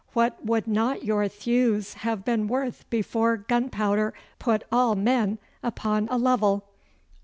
What would not your thews have been worth before gunpowder put all men upon a level!